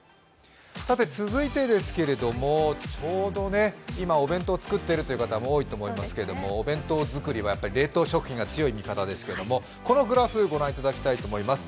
続いてちょうど今、お弁当を作っている方多いと思いますけれどもお弁当作りは冷凍食品が強い味方ですけれどもこのグラフご覧いただきたいと思います。